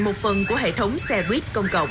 một phần của hệ thống xe buýt công cộng